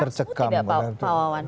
tapi sekarang smooth tidak pak wawan